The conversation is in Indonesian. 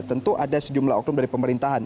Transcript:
tentu ada sejumlah oknum dari pemerintahan